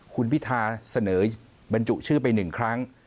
คุณพิธาเสนอบรรจุชื่อไป๑ครั้ง